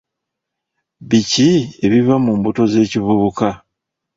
Biki ebiva mu mbuto z'ekivubuka?